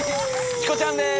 チコちゃんです